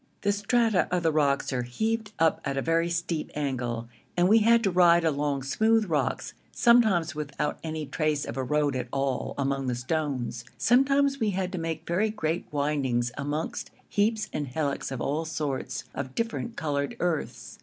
The strata of the rocks are heaved up at a very steep angle, and we had to ride along smooth rocks, sometimes without any trace of a road at all among the stones; sometimes we had to make very great windings amongst heaps and hillocks of all sorts of different coloured earths.